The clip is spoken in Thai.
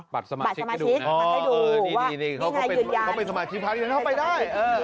บัตรสมาชิกให้ดูนะอ๋อดีเขาเป็นสมาชิกพักยุ่งเข้าไปได้